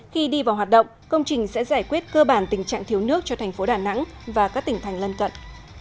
khi đi vào hoạt động công trình sẽ giải quyết cơ bản tình trạng thiếu nước cho thành phố đà nẵng và các tỉnh thành lân cận